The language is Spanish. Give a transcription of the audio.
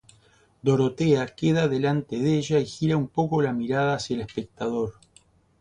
Dorothea queda delante de ella, y gira un poco la mirada hacia el espectador.